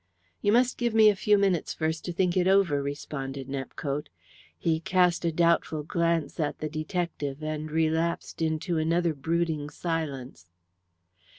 "You must give me a few minutes first to think it over," responded Nepcote. He cast a doubtful glance at the detective, and relapsed into another brooding silence.